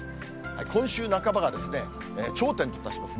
今週半ばが、頂点に達します。